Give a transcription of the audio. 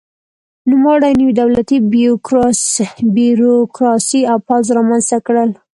نوموړي نوې دولتي بیروکراسي او پوځ رامنځته کړل.